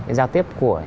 cái giao tiếp của